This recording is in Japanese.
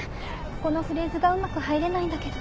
このフレーズがうまく入れないんだけど。